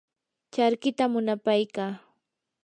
charkita munapaykaa.